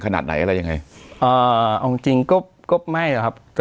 ขนาดไหนอะไรยังไงอ่าเอาจริงจริงก็ก็ไม่หรอครับก็